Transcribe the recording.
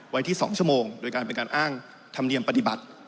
ไว้ที่๒ชั่วโมงโดยการเป็นการอ้างธรรมเนียมปฏิบัติ